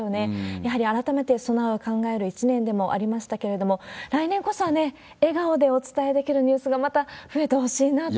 やはり改めてを考える１年でもありましたけれども、来年こそは、笑顔でお伝えできるニュースがまた増えてほしいなと。